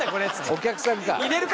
お客さんか。